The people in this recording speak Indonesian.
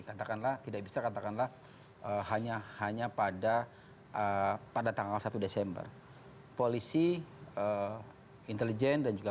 katakanlah tidak bisa katakanlah hanya hanya pada pada tanggal satu desember polisi intelijen dan juga